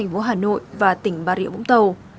vô hà nội và tỉnh bà rịa bỗng tàu